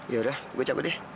yaudah gue cabut ya